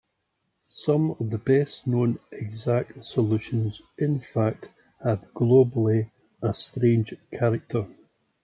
Some of the best known exact solutions, in fact, have globally a strange character.